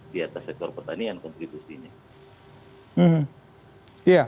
di atas sektor pertanian kontribusinya